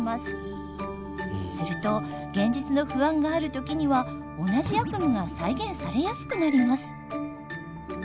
すると現実の不安がある時には同じ悪夢が再現されやすくなります。